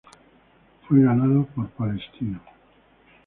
Fue ganado por Palestino.